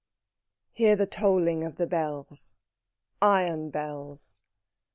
IV. Hear the tolling of the bells Iron bells!